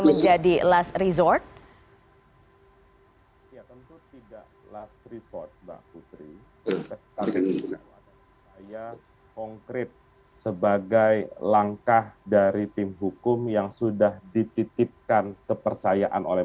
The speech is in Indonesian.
waalaikumsalam warahmatullahi wabarakatuh